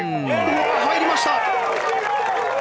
入りました！